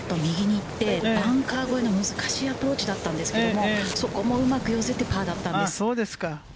行って、バンカー越えの難しいアプローチだったんですけれども、そこもうまく寄せて、パーだったんです。